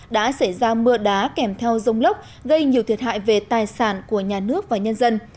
đã xảy ra mưa đá kèm theo rông lốc gây nhiều thiệt hại về tài sản của nhà nước và nhân dân